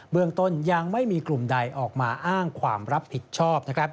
เมืองต้นยังไม่มีกลุ่มใดออกมาอ้างความรับผิดชอบ